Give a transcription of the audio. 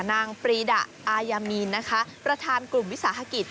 ปรีดะอายามีนนะคะประธานกลุ่มวิสาหกิจ